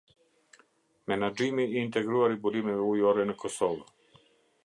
Menaxhimi i Integruar i Burimeve Ujore në Kosovë.